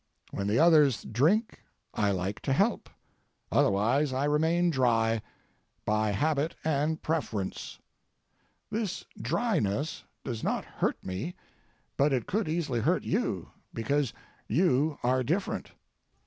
When the others drink I like to help; otherwise I remain dry, by habit and preference. This dryness does not hurt me, but it could easily hurt you, because you are different.